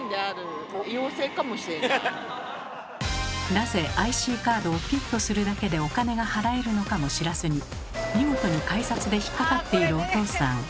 なぜＩＣカードをピッとするだけでお金が払えるのかも知らずに見事に改札で引っ掛かっているおとうさん。